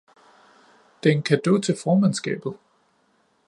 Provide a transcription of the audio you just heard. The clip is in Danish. Det er en cadeau til formandskabet.